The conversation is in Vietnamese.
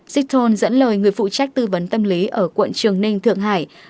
xickholm dẫn lời người phụ trách tư vấn tâm lý ở quận trường ninh thượng hải